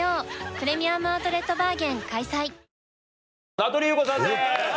名取裕子さんです。